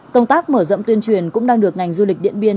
công tác mở rộng tuyên truyền cũng đang được ngành du lịch điện biên